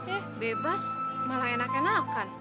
eh bebas malah enak enakan